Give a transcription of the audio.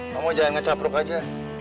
kamu jangan ngecapruk aja